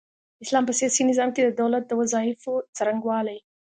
د اسلام په سياسي نظام کي د دولت د وظايفو څرنګوالۍ